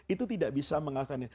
itu tidak bisa mengakannya